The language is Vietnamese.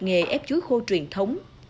nghề ép chuối khô truyền thống